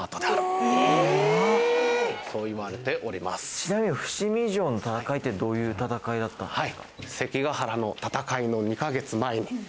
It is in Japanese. ちなみに伏見城の戦いってどういう戦いだったんですか？